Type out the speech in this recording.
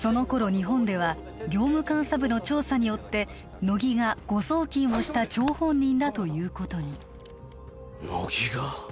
日本では業務監査部の調査によって乃木が誤送金をした張本人だということに乃木が？